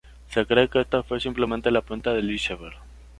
Se cree que esto fue simplemente la punta del Iceberg.